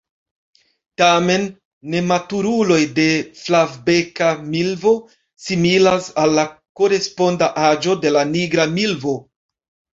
Tamen nematuruloj de Flavbeka milvo similas al la koresponda aĝo de la Nigra milvo.